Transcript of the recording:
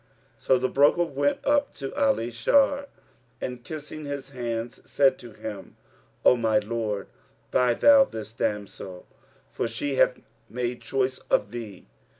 So the broker went up to Ali Shar and, kissing his hands, said to him, "O my lord, buy thou this damsel, for she hath made choice of thee."